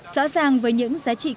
sở sàng với những giá trị cao